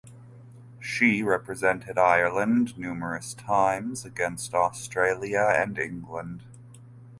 She represented Ireland numerous times against Australia and England.